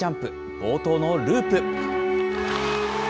冒頭のループ。